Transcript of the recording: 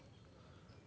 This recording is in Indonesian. ini adalah kawasan hutan